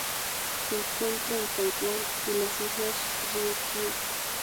Se encuentra en Taiwán y las Islas Ryukyu.